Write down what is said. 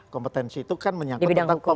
kompetensi itu kan menyangkut tentang konsep